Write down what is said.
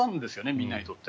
みんなにとって。